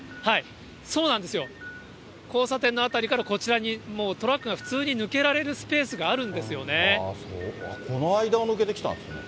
そうなんですよ、交差点の辺りからこちらにトラックが普通に抜けられるスペースがこの間を抜けてきたんですね。